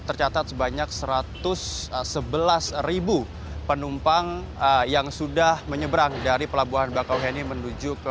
tercatat sebanyak satu ratus sebelas penumpang yang sudah menyeberang dari pelabuhan bakauheni menuju ke